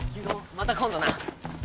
また今度な。